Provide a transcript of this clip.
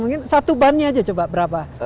mungkin satu bannya aja coba berapa